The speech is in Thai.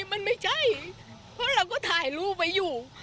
มันไม่ใช่เพราะเราก็ถ่ายรูปไว้อยู่